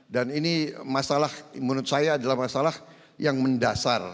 dan ini masalah menurut saya adalah masalah yang mendasar